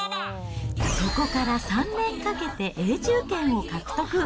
そこから３年かけて永住権を獲得。